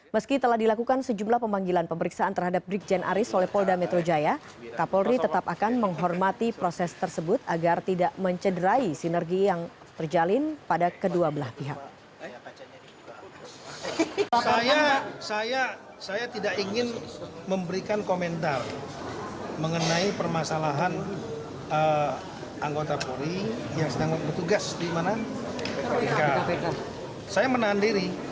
meski telah dilakukan sejumlah pembanggilan pemeriksaan terhadap brikjen aris oleh polda metro jaya kapolri tetap akan menghormati proses tersebut agar tidak mencederai sinergi yang terjalin pada kapolri